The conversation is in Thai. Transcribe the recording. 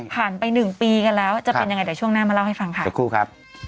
ผ่านไป๑ปีกันแล้วจะเป็นยังไงเดี๋ยวช่วงหน้ามาเล่าให้ฟังค่ะ